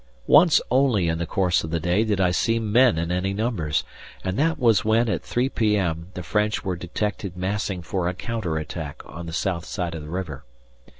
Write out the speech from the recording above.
Once only in the course of the day did I see men in any numbers, and that was when at 3 p.m. the French were detected massing for a counter attack on the south side of the river.